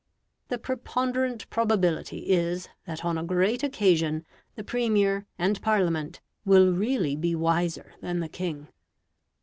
The preponderant probability is that on a great occasion the Premier and Parliament will really be wiser than the king.